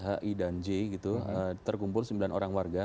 h i dan j terkumpul sembilan orang warga